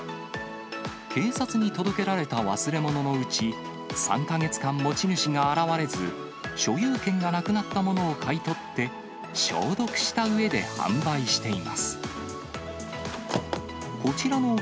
警察に届けられた忘れ物のうち、３か月間持ち主が現われず、所有権がなくなったものを買い取って消毒したうえで販売しています。